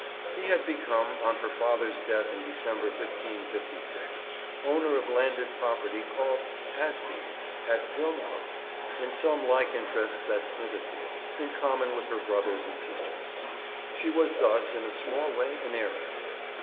She had become, on her father's death in December 1556, owner of landed property called Asbies, at Wilmcote, and some like interests at Snitterfield, in common with her brothers and sisters. She was thus, in a small way, an heiress.